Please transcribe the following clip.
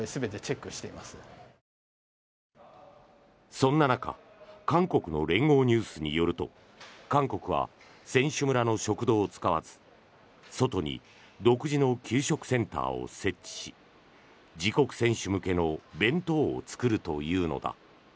そんな中韓国の連合ニュースによると韓国は選手村の食堂を使わず外に独自の給食センターを設置し自国選手向けの弁当を作るというのだ。